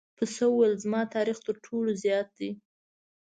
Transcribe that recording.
پسه وویل زما تاریخ تر ټولو زیات دی.